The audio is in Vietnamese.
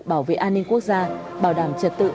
bảo vệ an ninh quốc gia bảo đảm trật tự